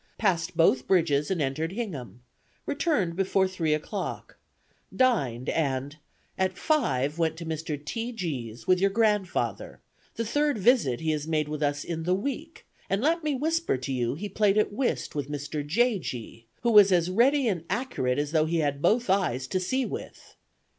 Passed both bridges, and entered Hingham. Returned before three o'clock. Dined, and, "At five, went to Mr. T. G 's, with your grandfather; the third visit he has made with us in the week; and let me whisper to you he played at whist with Mr. J. G , who was as ready and accurate as though he had both eyes to see with.